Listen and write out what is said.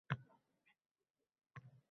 Hayotingda siroti mustaqimni koʻrmagaysan, san